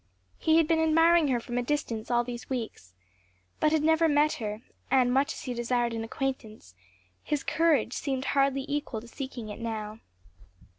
He had been admiring her from a distance all these weeks, but had never met her, and much as he desired an acquaintance, his courage seemed hardly equal to seeking it now.